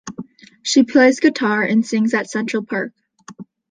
She plays guitar and sings at Central Perk.